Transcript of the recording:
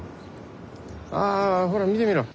あほら見てみろ。